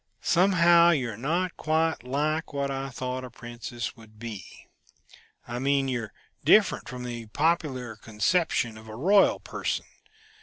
Somehow you are not quite like what I thought a princess would be.... I mean, you're different from the popular conception of a royal person.